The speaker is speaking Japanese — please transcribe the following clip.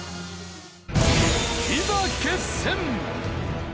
いざ決戦！